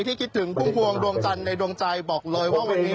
คิดถึงพุ่มพวงดวงจันทร์ในดวงใจบอกเลยว่าวันนี้